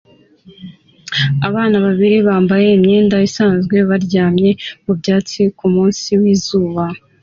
Abana babiri bambaye imyenda isanzwe baryamye mubyatsi kumunsi wizuba